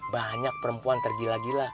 banyak perempuan tergila gila